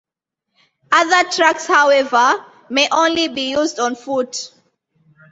Other tracks however, may only be used on foot.